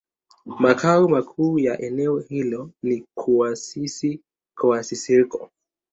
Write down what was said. Makao makuu ya eneo hilo ni Kouassi-Kouassikro.